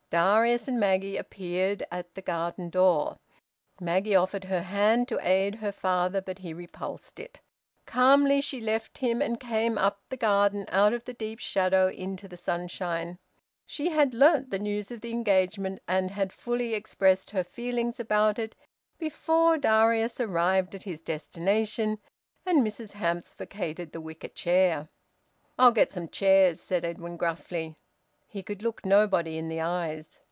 Darius and Maggie appeared at the garden door. Maggie offered her hand to aid her father, but he repulsed it. Calmly she left him, and came up the garden, out of the deep shadow into the sunshine. She had learnt the news of the engagement, and had fully expressed her feelings about it before Darius arrived at his destination and Mrs Hamps vacated the wicker chair. "I'll get some chairs," said Edwin gruffly. He could look nobody in the eyes.